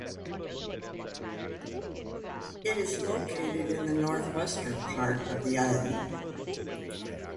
It is located in the northwestern part of the island.